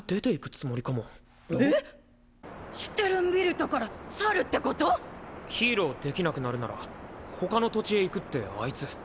えっ⁉シュテルンビルトから去るってこと⁉ヒーローできなくなるなら他の土地へ行くってアイツ。